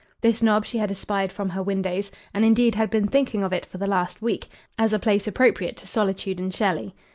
This knob she had espied from her windows; and, indeed, had been thinking of it for the last week, as a place appropriate to solitude and Shelley.